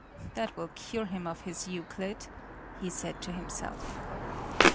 "That will cure him of his Euclid," he said to himself.